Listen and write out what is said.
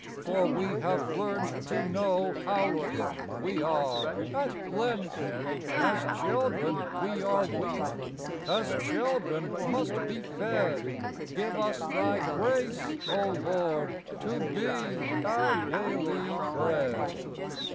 For we have learnt to know How weak we are at length. As children we are weak, As children must be fed; — Give us Thy Grace, O Lord, To be our daily Bread.